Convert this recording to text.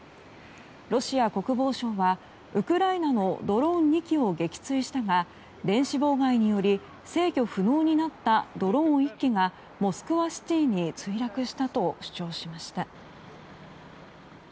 ロシア国防省はウクライナのドローン２機を撃墜したが、電子妨害により制御不能になったドローン１機がモスクワシティに墜落したと主張しました。